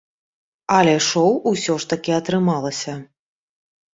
Але шоў усё ж такі атрымалася.